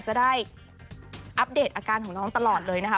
จะได้อัปเดตอาการของน้องตลอดเลยนะคะ